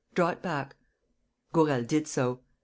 Draw it back." Gourel did so.